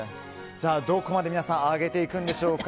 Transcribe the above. どこまで皆さん上げていくんでしょうか。